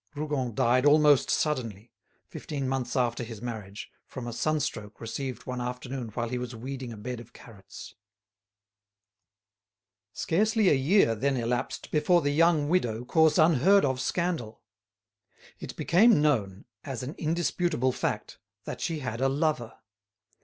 Rougon died almost suddenly, fifteen months after his marriage, from a sunstroke received one afternoon while he was weeding a bed of carrots. Scarcely a year then elapsed before the young widow caused unheard of scandal. It became known, as an indisputable fact, that she had a lover.